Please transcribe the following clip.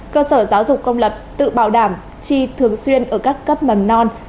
cơ sở giáo dục công lập tự bảo đảm chi thường xuyên ở các cấp mầm non